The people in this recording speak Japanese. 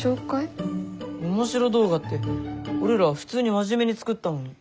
オモシロ動画って俺ら普通に真面目に作ったのに。